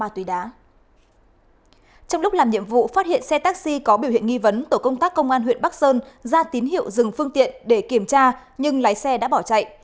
trong lúc làm nhiệm vụ phát hiện xe taxi có biểu hiện nghi vấn tổ công tác công an huyện bắc sơn ra tín hiệu dừng phương tiện để kiểm tra nhưng lái xe đã bỏ chạy